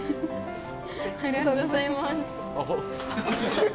ありがとうございます。